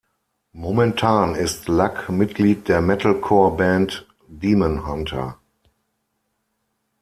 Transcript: Momentan ist Luck Mitglied der Metalcore-Band Demon Hunter.